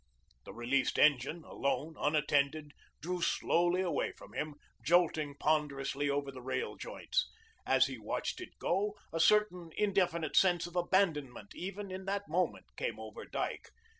The released engine, alone, unattended, drew slowly away from him, jolting ponderously over the rail joints. As he watched it go, a certain indefinite sense of abandonment, even in that moment, came over Dyke.